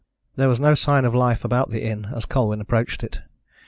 There was no sign of life about the inn as Colwyn approached it.